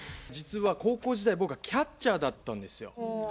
実は高校時代僕キャッチャーだったんですよ。